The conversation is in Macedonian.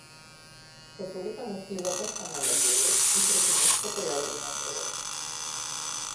Цветовите на сливата станале бели и преку ноќ се појавиле на дрвото.